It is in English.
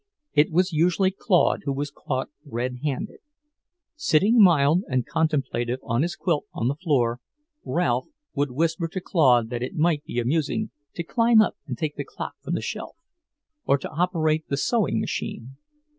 It was usually Claude who was caught red handed. Sitting mild and contemplative on his quilt on the floor, Ralph would whisper to Claude that it might be amusing to climb up and take the clock from the shelf, or to operate the sewing machine.